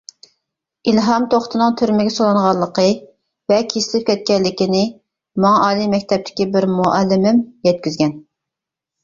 ئىلھام توختىنىڭ تۈرمىگە سولانغانلىقى ۋە كېسىلىپ كەتكەنلىكىنى ماڭا ئالىي مەكتەپتىكى بىر مۇئەللىمىم يەتكۈزگەن.